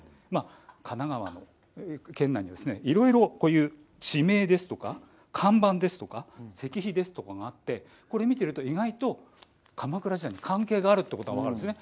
神奈川の県内には地名ですとか看板ですとか石碑があってこれを見ていると意外と鎌倉時代に関係があることが分かるんですね。